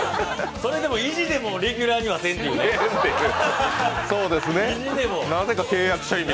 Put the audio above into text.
それでも意地でもレギュラーにはせんと。